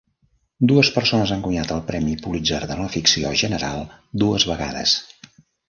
Dues persones han guanyat el Premi Pulitzer de No ficció General dues vegades.